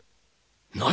何！？